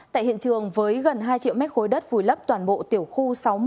tại hiện trường với gần hai triệu mét khối đất vùi lấp toàn bộ tiểu khu sáu mươi